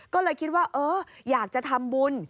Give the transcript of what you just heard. ก็เลยคิดว่าเอออยากจะทำบุญ